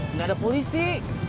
nggak ada polisi